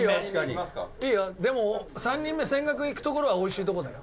でも、３人目、千賀君いくところはおいしいとこだよ。